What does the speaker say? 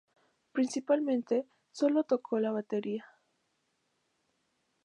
Principalmente solo toco la batería"".